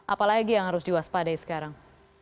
apalagi yang harus diwaspadai sekarang